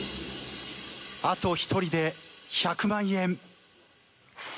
あと１人で１００万円。